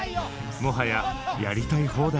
もはややりたい放題。